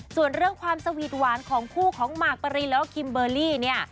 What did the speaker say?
ส่วนเรื่องความสวีทหวานของคู่ของหมากปรินแล้วก็คิมเบอร์รี่เนี่ย